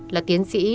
là tiến sĩ